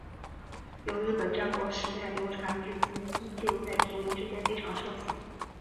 由日本战国时代流传至今依旧在平民之间非常盛行。